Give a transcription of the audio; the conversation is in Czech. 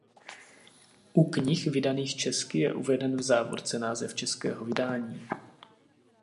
U knih vydaných česky je uveden v závorce název českého vydání.